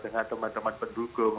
dengan teman teman pendukung